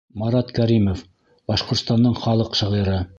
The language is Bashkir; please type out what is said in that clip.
Марат КӘРИМОВ, Башҡортостандың халыҡ шағиры: